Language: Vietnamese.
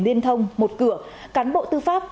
liên thông một cửa cán bộ tư pháp